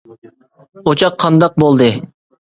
- ئوچاق قانداق بولدى؟